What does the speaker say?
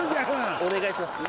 お願いします。